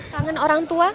kangen orang tua